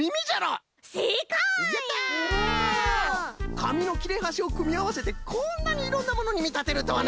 かみのきれはしをくみあわせてこんなにいろんなものにみたてるとはな。